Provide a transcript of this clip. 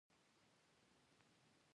د پنجشیر درې هم لرغونی تاریخ لري